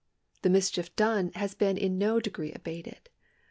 The mischief done has been in no degree abated.